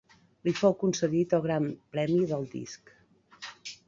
Li fou concedit el gran premi del Disc.